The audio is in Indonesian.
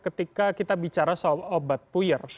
ketika kita bicara soal obat puyer